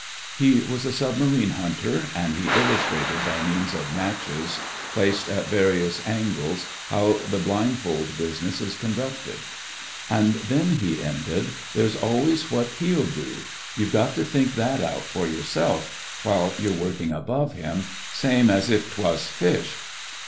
He was a submarine hunter, and he il lustrated by means of matches placed 21 22 THE FRINGES OP THE FLEET at various angles how the blindfold business is conducted. "And then," he ended, "there's always what he'll do. You've got to think that out for yourself — while you're working above him — same as if 'twas fish."